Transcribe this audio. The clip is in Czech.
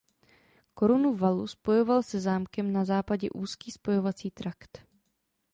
Korunu valu spojoval se zámkem na západě úzký spojovací trakt.